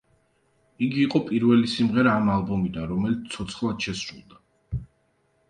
იგი იყო პირველი სიმღერა ამ ალბომიდან, რომელიც ცოცხლად შესრულდა.